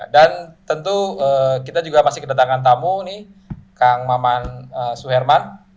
dan tentu kita juga masih kedatangan tamu nih kang maman suherman